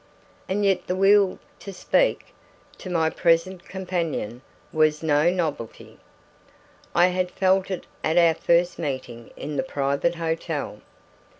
And yet the will to speak to my present companion was no novelty. I had felt it at our first meeting in the private hotel.